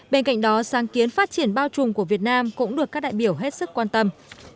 bên cạnh đó sáng kiến phát triển bao trùm của việt nam cũng được các đại biểu hết sức quan tâm